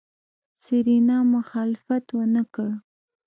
سېرېنا مخالفت ونکړ.